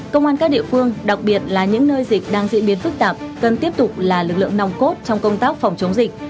công an các địa phương đặc biệt là những nơi dịch đang diễn biến phức tạp cần tiếp tục là lực lượng nòng cốt trong công tác phòng chống dịch